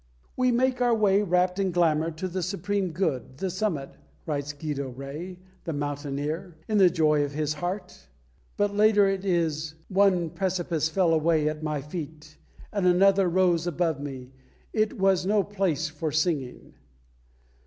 "We make our way wrapped in glamour to the Supreme Good, the summit," writes Guido Rey, the mountaineer, in the joy of his heart. But later it is: "One precipice fell away at my feet, and another rose above me. ... It was no place for singing."